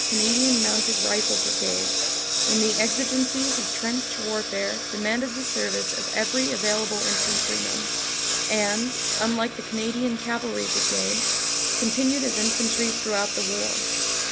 Cana dian Mounted Rifle Brigades, when the exigencies of trench warfare demanded the service of every available infantryman, and, unlike the Canadian Cavalry Brigade, continued as infantry throughout the war.